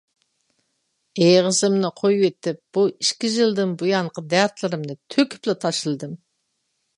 ئېغىزىمنى قويۇۋېتىپ بۇ ئىككى يىلدىن بۇيانقى دەردىمنى تۆكۈپلا تاشلىدىم.